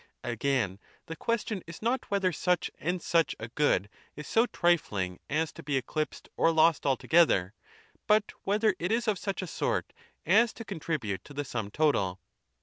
— Again, the question is not whether such and such a good is so trifling as to be eclipsed or lost altogether, but whether it is of such a sort as to conlribute to the sum total.